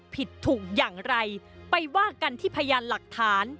ผิดถูกอย่างไรไปว่ากันที่พยานหลักฐาน